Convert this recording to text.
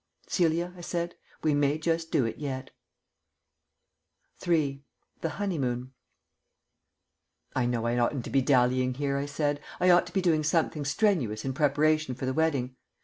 "Celia," I said, "we may just do it yet." III. THE HONEYMOON "I know I oughtn't to be dallying here," I said; "I ought to be doing something strenuous in preparation for the wedding.